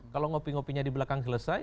kalau ngopi ngopinya di belakang selesai